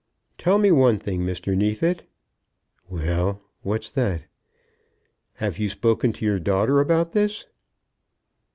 "Tell me one thing, Mr. Neefit." "Well; what's that?" "Have you spoken to your daughter about this?"